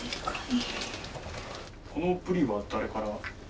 このブリは誰から？